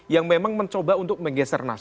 yang memang mencoba untuk menggeser